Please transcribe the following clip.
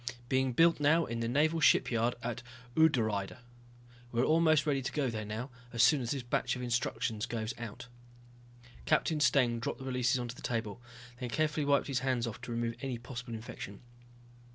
"Being built now in the naval shipyard at Udrydde. We're almost ready to go there now, soon as this batch of instructions goes out." Captain Steng dropped the releases onto the table, then carefully wiped his hands off to remove any possible infection.